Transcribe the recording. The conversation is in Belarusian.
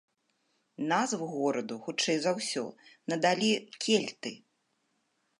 Назву гораду, хутчэй за ўсё, надалі кельты.